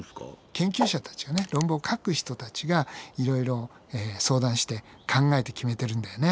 研究者たちがね論文を書く人たちがいろいろ相談して考えて決めてるんだよね。